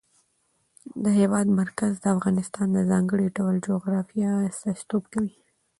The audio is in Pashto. د هېواد مرکز د افغانستان د ځانګړي ډول جغرافیه استازیتوب کوي.